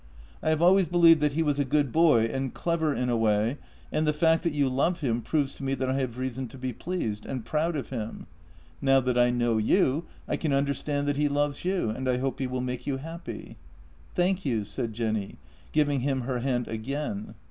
I have always believed that he was a good boy, and clever in a way, and the fact that you love him proves to me that I have reason to be pleased — and proud of him. Now that I know you, I can understand that he loves you, and I hope he will make you happy." " Thank you," said Jenny, giving him her hand again.